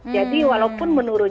jadi walaupun menurun